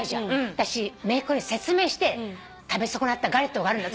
私めいっ子に説明して食べ損なったガレットがあるんだ。